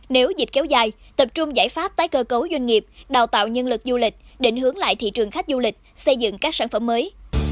nếu dịch kéo dài tập trung giải pháp tái cơ cấu doanh nghiệp đào tạo nhân lực du lịch định hướng lại thị trường khách du lịch xây dựng các sản phẩm mới